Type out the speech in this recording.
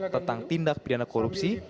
tentang tindak pidana korupsi